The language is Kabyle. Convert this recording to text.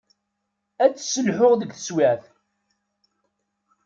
Ad tt-sselḥuɣ deg teswiεt.